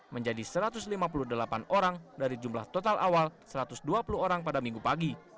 menjadi satu ratus lima puluh delapan orang dari jumlah total awal satu ratus dua puluh orang pada minggu pagi